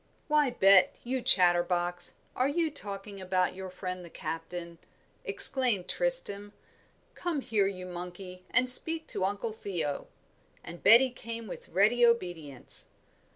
"Why, Bet, you chatterbox, are you talking about your friend the captain?" exclaimed Tristram. "Come here, you monkey, and speak to Uncle Theo;" and Betty came with ready obedience.